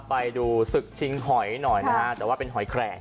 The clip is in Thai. ไปดูศึกชิงหอยหน่อยนะฮะแต่ว่าเป็นหอยแขลง